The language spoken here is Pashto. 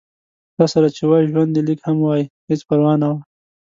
تاسره چې وای ژوند دې لږ هم وای هېڅ پرواه نه وه